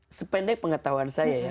sependek pengetahuan saya ya